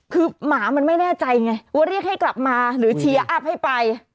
คือหมามันไม่แน่ใจไงว่าเรียกให้กลับมาหรือเชียร์อัพให้ไป